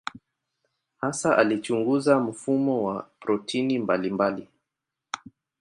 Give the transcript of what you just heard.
Hasa alichunguza mfumo wa protini mbalimbali.